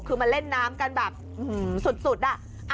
คือมาเล่นน้ำกันแบบสุดอะ